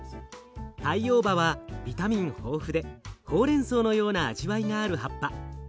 タイオーバはビタミン豊富でほうれんそうのような味わいがある葉っぱ。